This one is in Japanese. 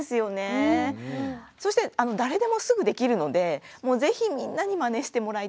そして誰でもすぐできるのでもう是非みんなにマネしてもらいたい。